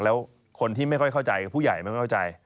แล้วคนที่ไม่ค่อยเข้าใจผู้ใหญ่ไม่ค่อยเข้าใจ